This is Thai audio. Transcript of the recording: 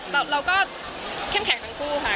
เราก็เข้มแข็งทั้งคู่ค่ะ